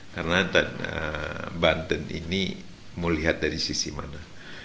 karena banten ini mau lihat dari sisi mana